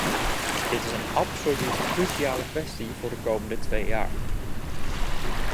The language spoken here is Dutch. Dit is een absoluut cruciale kwestie voor de komende twee jaar.